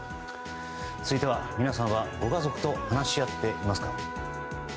続いて、皆さんはご家族と話し合っていますか。